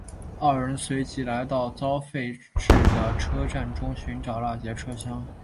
二人随即来到遭废置的车站中寻找那节车厢。